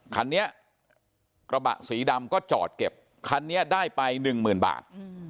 คันนี้กระบะสีดำก็จอดเก็บคันนี้ได้ไป๑๐๐๐๐บาท